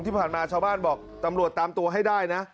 ที่ผ่านมาชาวบ้านบอกตำรวจตามตัวให้ได้นะ